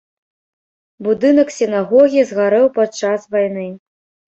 Будынак сінагогі згарэў падчас вайны.